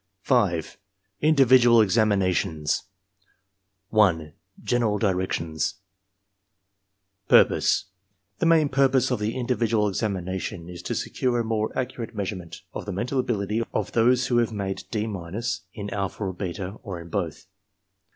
v.— INDIVIDUAL EXAMINATIONS 1. GENERAL DIRECTIONS Purpose. — ^The main purpose of the individual examination is to secure a more accurate measurement of the mental ability of those who have made D— in alpha or beta, or in both.